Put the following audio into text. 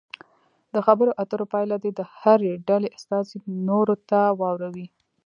د خبرو اترو پایله دې د هرې ډلې استازي نورو ته واوروي.